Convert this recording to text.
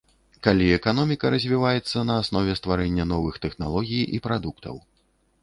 Калі эканоміка развіваецца на аснове стварэння новых тэхналогій і прадуктаў.